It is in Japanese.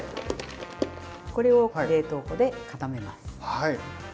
これを冷凍庫で固めます。